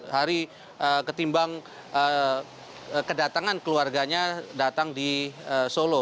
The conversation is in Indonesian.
hari ketimbang kedatangan keluarganya datang di solo